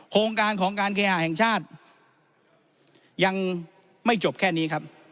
โครงการของการเคหาแห่งชาติยังไม่จบแค่นี้ครับ